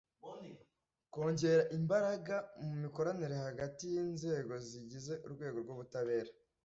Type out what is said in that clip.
kongera imbaraga mu mikoranire hagati y’inzego zigize urwego rw’ubutabera